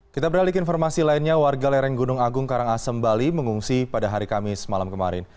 kita beralih ke informasi lainnya warga lereng gunung agung karangasem bali mengungsi pada hari kamis malam kemarin